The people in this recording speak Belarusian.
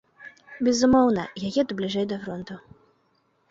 Безумоўна, я еду бліжэй да фронту.